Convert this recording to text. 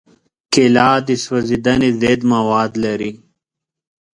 کېله د سوځېدنې ضد مواد لري.